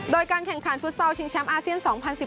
โดยการแข่งขันฟุตซอลชิงแชมป์อาเซียน๒๐๑๘